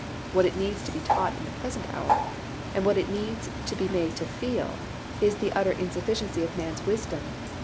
What it needs to be taught in the present hour, and what it needs to be made to feel, is the utter insufficiency of man's wisdom.